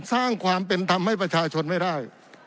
สร้างความเป็นธรรมให้ประชาชนไม่ได้